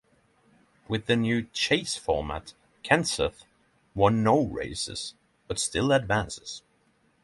With the new Chase format, Kenseth won no races, but still advances.